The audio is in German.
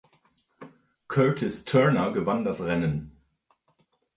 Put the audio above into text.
Curtis Turner gewann das Rennen.